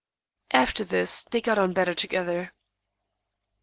After this they got on better together.